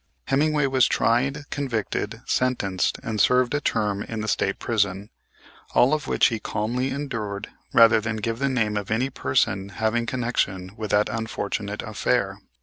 Hemmingway was tried, convicted, sentenced and served a term in the State Prison; all of which he calmly endured rather than give the name of any person having connection with that unfortunate affair.